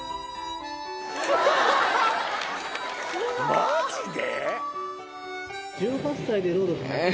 マジで？